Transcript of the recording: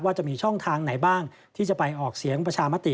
จะมีช่องทางไหนบ้างที่จะไปออกเสียงประชามติ